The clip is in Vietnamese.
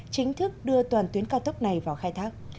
chính thức đưa toàn tuyến cao tốc này vào khai thác